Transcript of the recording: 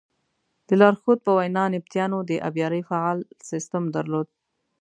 د لارښود په وینا نبطیانو د ابیارۍ فعال سیسټم درلود.